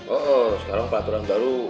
oh sekarang peraturan baru